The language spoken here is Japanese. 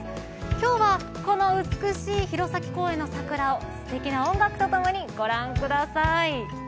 今日はこの美しい弘前公園の桜をすてきな音楽と共に御覧ください。